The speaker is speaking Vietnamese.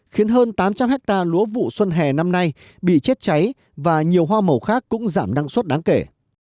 khiến hơn tám trăm linh hectare lúa vụ xuân hè năm nay bị chết cháy và nhiều hoa màu khác cũng giảm năng suất đáng kể